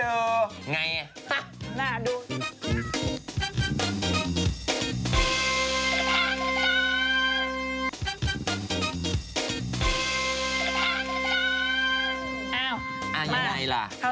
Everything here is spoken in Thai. เอ้ามาเขาใส่ใครกันหรอ